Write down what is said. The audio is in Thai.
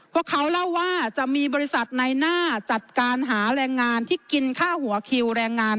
พวกเขาเล่าว่าจะมีบริษัทในหน้าจัดการหาแรงงานที่กินค่าหัวคิวแรงงาน